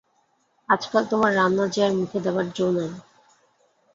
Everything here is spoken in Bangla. আজকাল তোমার রান্না যে আর মুখে দেবার জো নাই।